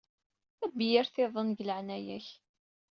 Tabyirt-iḍen, deg leɛnaya-k.